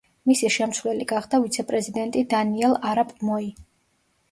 მისი შემცვლელი გახდა ვიცე-პრეზიდენტი დანიელ არაპ მოი.